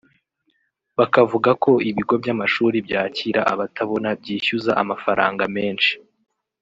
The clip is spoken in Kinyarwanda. bakavuga ko ibigo by’amashuli byakira abatabona byishyuza amafaranga menshi